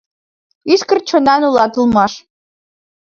Ӱскырт чонан улат улмаш.